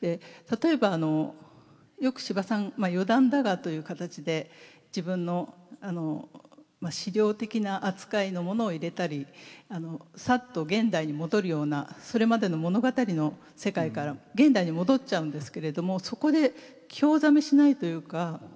で例えばあのよく司馬さん「余談だが」という形で自分の史料的な扱いのものを入れたりさっと現代に戻るようなそれまでの物語の世界から現代に戻っちゃうんですけれどもそこで興ざめしないというか。